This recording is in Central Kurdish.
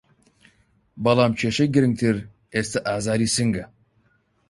بەڵام کیشەی گرنگتر ئێستا ئازاری سنگه